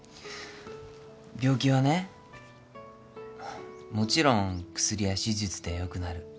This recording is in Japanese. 病気はねもちろん薬や手術でよくなる。